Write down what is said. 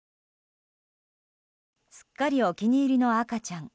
すっかりお気に入りの赤ちゃん。